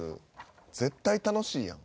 絶対楽しいやん。